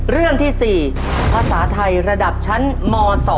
เรื่องที่๔ภาษาไทยระดับชั้นม๒